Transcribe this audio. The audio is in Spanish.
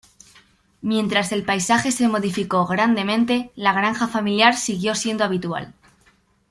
Mientras el paisaje se modificó grandemente, la granja familiar siguió siendo habitual.